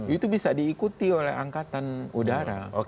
itu bisa diikuti oleh angkatan udara